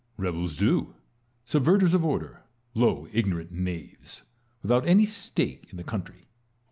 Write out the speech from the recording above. Rebels do, subverters of order, low ignorant knaves, without any stake in the country.